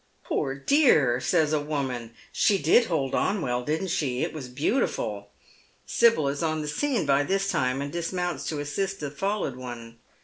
" Poor dear !" says a woman, " she did hold on well, didn't she ? It was beautiful." Sibyl is on the scene by this time, and dismounts to assist the fallen one.